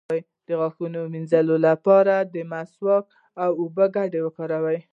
د غاښونو د مینځلو لپاره د مسواک او اوبو ګډول وکاروئ